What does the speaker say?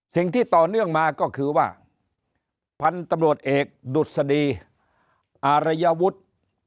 สิ่งที่ต่อเนื่องมาก็คือว่าพันธุ์ตำรวจเอกดุษฎีอารยวุฒิ